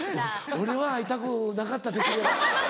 俺は会いたくなかったできれば。